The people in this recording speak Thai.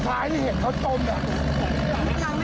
ทางนี้ทางสายเห็นเค้าต้ม